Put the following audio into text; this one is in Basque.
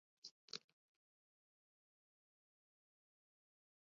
Eragiketa hauek guztiak erabiltzailea konturatu gabe gertatzen dira.